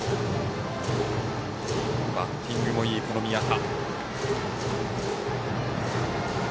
バッティングもいい宮田。